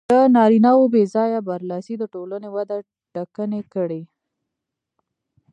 د نارینهوو بې ځایه برلاسي د ټولنې وده ټکنۍ کړې.